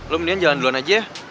lo mendingan jalan duluan aja ya